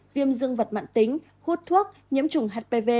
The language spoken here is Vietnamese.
viêm dân vật mạng tính hút thuốc nhiễm chủng hpv